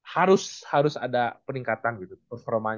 harus harus ada peningkatan gitu performanya ya